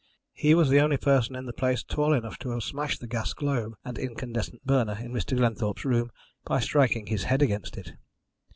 He was the only person in the place tall enough to have smashed the gas globe and incandescent burner in Mr. Glenthorpe's room by striking his head against it.